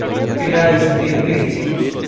Era descendiente de checos.